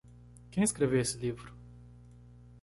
Quem escreveu esse livro?